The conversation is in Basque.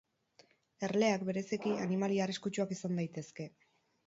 Erleak, bereziki, animalia arriskutsuak izan daitezke.